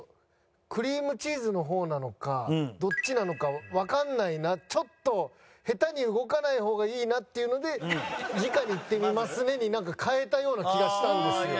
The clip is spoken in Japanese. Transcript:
クリームチーズの方なのかどっちなのかわかんないなちょっと下手に動かない方がいいなっていうので「じかにいってみますね」になんか変えたような気がしたんですよ。